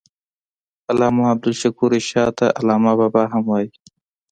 علامه عبدالشکور رشاد ته علامه بابا هم وايي.